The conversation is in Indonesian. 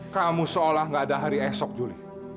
kamu seolah gak ada hari esok juli